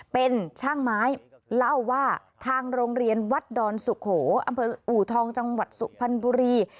เป็นช่างไม้เล่าว่าทางโรงเรียนวัดดอนสุโขอำเภออูทองจังหวัดสุพรรณบุรี